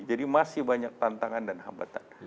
jadi masih banyak tantangan dan hambatan